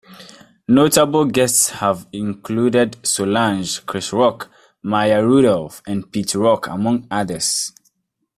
Notable guests have included Solange, Chris Rock, Maya Rudolph, and Pete Rock, among others.